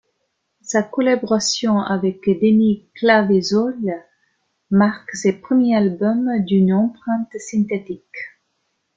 Sa collaboration avec Denis Clavaizolle marque ses premiers albums d'une empreinte synthétique.